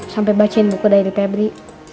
sampai bacain buku dari febri